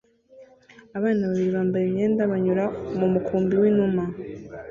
Abana babiri bambaye imyenda banyura mu mukumbi w'inuma